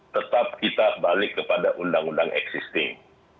tetap kita balik kepada undang undang existing